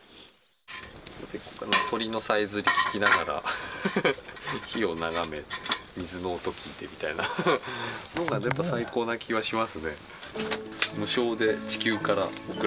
鳥のさえずり聞きながら、火を眺め、水の音聞いてみたいなのがやっぱ最高な気がしますね。